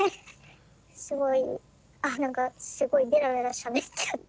すごいあっ何かすごいベラベラしゃべっちゃって。